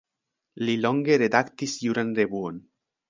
Li longe redaktis juran revuon.